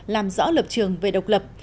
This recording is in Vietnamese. làm rõ lập trường về độc lập